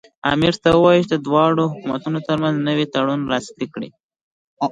امیر ته ووایي چې د دواړو حکومتونو ترمنځ نوی تړون لاسلیک کړي.